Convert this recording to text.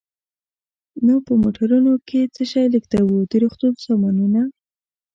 نو په موټرونو کې څه شی لېږدوو؟ د روغتون سامانونه.